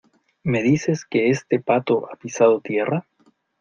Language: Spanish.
¿ me dices que este pato ha pisado tierra?